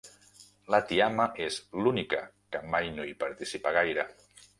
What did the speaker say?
La tiama és l'única que mai no hi participa gaire.